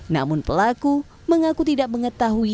namun pelaku mengaku tidak mengetahui